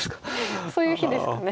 そういう日ですかね。